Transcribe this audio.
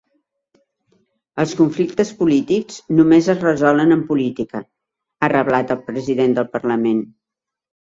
Els conflictes polítics només es resolen amb política, ha reblat el president del parlament.